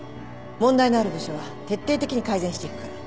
問題のある部署は徹底的に改善していくから。